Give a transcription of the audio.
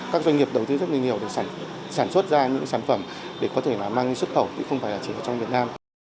các doanh nghiệp đầu tư rất là nhiều để sản xuất ra những sản phẩm để có thể mang xuất khẩu không phải chỉ ở trong việt nam